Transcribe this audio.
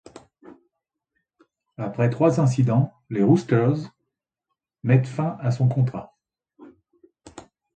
Après trois incidents, les Roosters mettent fin à son contrat.